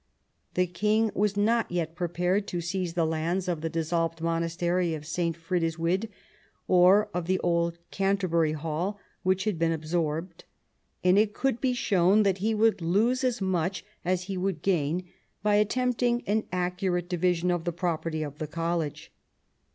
The king was not yet prepared to seize the lands of the dissolved monastery of St. Frideswyde, or of the old Canterbury Hall, which had been absorbed, and it could be shown that ho would lose as much as he would gain by attempt ing an accurate division of the property of the college.